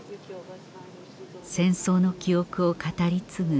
戦争の記憶を語り継ぐ